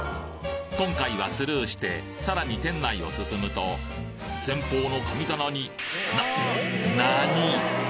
今回はスルーしてさらに店内を進むと前方の神棚にな何！？